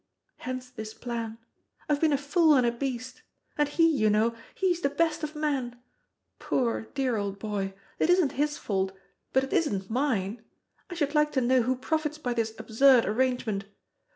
Hence this plan. I have been a fool and a beast. And he, you know, he is the best of men. Poor, dear old boy. It isn't his fault, but it isn't mine. I should like to know who profits by this absurd arrangement.